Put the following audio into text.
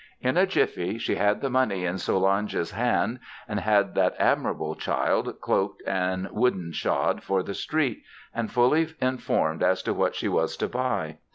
In a jiffy she had the money in Solange's hand and had that admirable child cloaked and wooden shod for the street, and fully informed as to what she was to buy.